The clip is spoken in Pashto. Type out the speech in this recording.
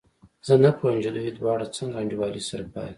زه نه پوهېږم چې دوی دواړه څنګه انډيوالي سره پالي.